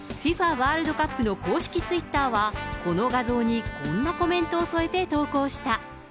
ワールドカップの公式ツイッターは、この画像にこんなコメントを添えて投稿した。